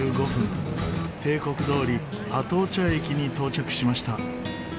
定刻どおりアトーチャ駅に到着しました。